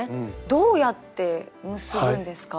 どうやって結ぶんですか？